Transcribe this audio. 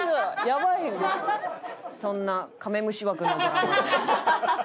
そんなカメムシ枠のドラマが。